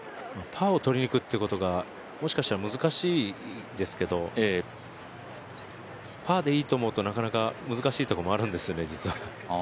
パーをとりにいくということが、もしかしたら難しいですけれども、パーでいいと思うと、なかなか難しいところもあるんですよね、実は。